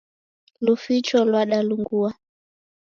Luficho lwadalungua